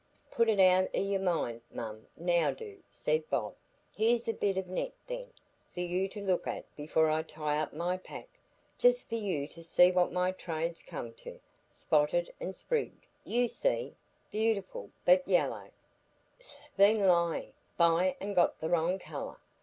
"Put it out o' your mind, mum, now do," said Bob. "Here's a bit o' net, then, for you to look at before I tie up my pack, just for you to see what my trade's come to,—spotted and sprigged, you see, beautiful but yallow,—'s been lyin' by an' got the wrong colour.